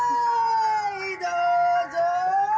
どうぞ。